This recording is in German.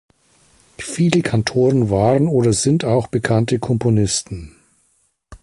Viele Kantoren waren oder sind auch bekannte Komponisten.